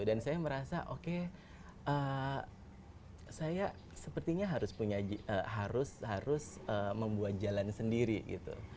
dan saya merasa oke saya sepertinya harus membuat jalan sendiri gitu